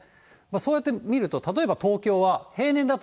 そうやって見ると、例えば東京は平年だと。